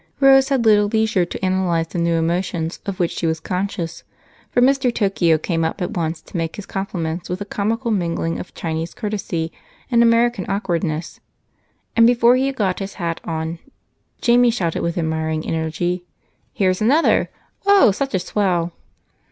Rose had little leisure to analyze the new emotions of which she was conscious, for Mr. Tokio came up at once to make his compliments with a comical mingling of Chinese courtesy and American awkwardness, and before he had got his hat on Jamie shouted with admiring energy: "Here's another! Oh, such a swell!"